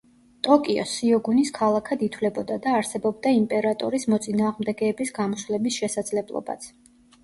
ტოკიო სიოგუნის ქალაქად ითვლებოდა და არსებობდა იმპერატორის მოწინააღმდეგეების გამოსვლების შესაძლებლობაც.